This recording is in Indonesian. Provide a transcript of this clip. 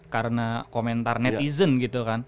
karena komentar netizen gitu kan